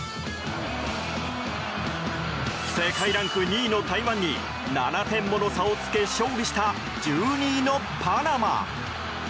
世界ランク２位の台湾に７点もの差をつけ勝利した１２位のパナマ。